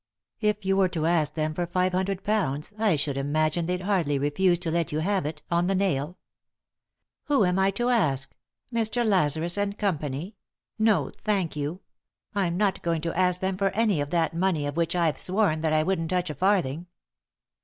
If you were to ask them for five hundred pounds I should imagine they'd hardly refuse to let yon have it, on the nail." " Who am I to ask ? Mr. Lazarus and Co. ? No, thank you. I'm not going to ask them for any of that money of which I've sworn that I wouldn't touch a farthing."